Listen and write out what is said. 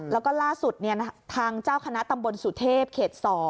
แล้วก็ล่าสุดทางเจ้าคณะตำบลสุเทพเขต๒